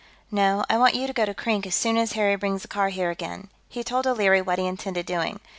"No, I want you to go to Krink, as soon as Harry brings the car here again." He told O'Leary what he intended doing.